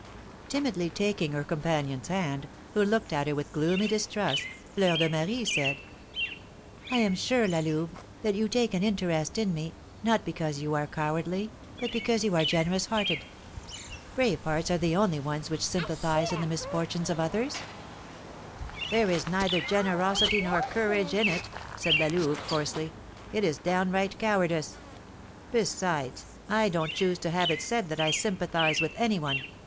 Timidly taking her companion's hand, who looked at her with gloomy distrust, Fleur de Marie said: "I am sure, La Louve, that you take an interest in me, not because you are cowardly, but because you are generous hearted. Brave hearts are the only ones which sympathise in the misfortunes of others." "There is neither generosity nor courage in it," said La Louve, coarsely; "it is downright cowardice. Besides, I don't choose to have it said that I sympathise with any one.